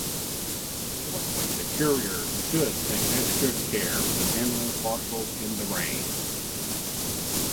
Fourthly, the courier should take extra care when handling parcels in the rain.